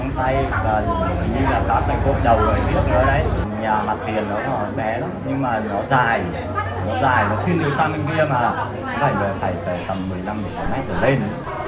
nó phải về phải tới tầm một mươi năm một mươi sáu mét ở bên